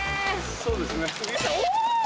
そうですね。